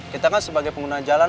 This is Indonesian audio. kita kan sebagai pengguna jalan